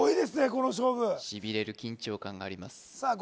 この勝負しびれる緊張感がありますさあ言